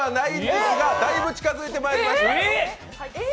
だいぶ近づいてまいりました！